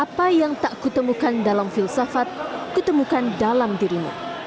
apa yang tak kutemukan dalam filsafat kutemukan dalam dirimu